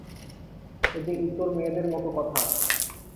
এ যে ইতর মেয়েদের মতো কথা!